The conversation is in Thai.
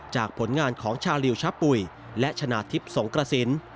ผลงานของชาลิวชะปุ๋ยและชนะทิพย์สงกระสิน